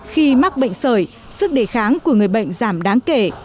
khi mắc bệnh sởi sức đề kháng của người bệnh giảm đáng kể